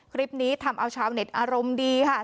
คลิปนี้ทำเอาชาวเน็ตอารมณ์ดีค่ะ